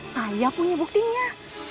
saya punya buktinya